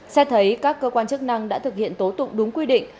xét thấy các cơ quan chức năng đã thực hiện tố tụng đúng quy định